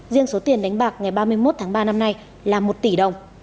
riêng số tiền đánh bạc ngày ba mươi một tháng ba năm nay là một tỷ đồng